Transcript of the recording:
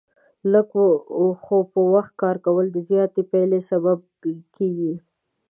لږ خو په وخت کار کول، د زیاتې پایلې سبب کېږي.